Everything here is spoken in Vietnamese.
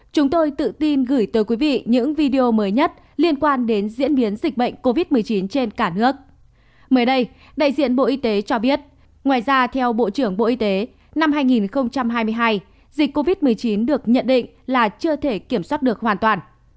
bộ y tế cho biết ngoài ra theo bộ trưởng bộ y tế năm hai nghìn hai mươi hai dịch covid một mươi chín được nhận định là chưa thể kiểm soát được hoàn toàn